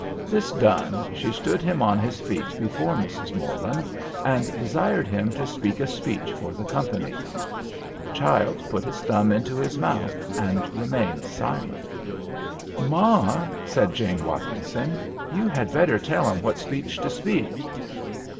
This done, she stood him on his feet before Mrs. Morland, and desired him to speak a speech for the company. The child put his thumb into his mouth, and remained silent. "Ma," said Jane Watkinson, "you had better tell him what speech to speak."